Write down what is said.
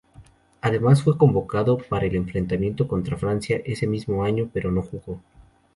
Además fue convocado para el enfrentamiento contra Francia ese mismo año, pero no jugó.